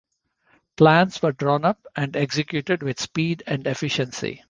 Plans were drawn up and executed with speed and efficiency.